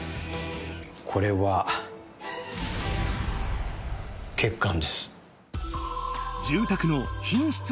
これは欠陥です